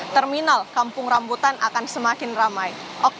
terminal kampung rambutan akan semakin ramai